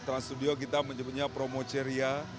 trans studio kita menyebutnya promo ceria